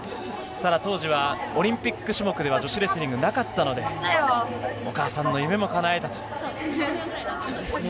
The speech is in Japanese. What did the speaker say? ただ当時は、オリンピック種目では女子レスリング、なかったので、お母さんのそうですね。